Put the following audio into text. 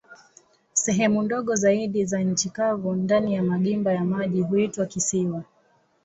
Sehemu ndogo zaidi za nchi kavu ndani ya magimba ya maji huitwa kisiwa.